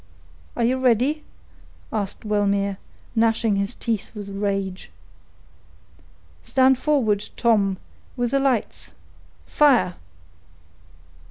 "Are you ready?" asked Wellmere, gnashing his teeth with rage. "Stand forward, Tom, with the lights; fire!"